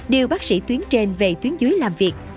điều bác sĩ tuyến trên về tuyến dưới làm việc